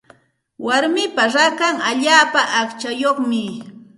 Warmipa rakan allaapa aqchayuqmi.